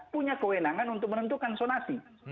punya kewenangan untuk menentukan sonasi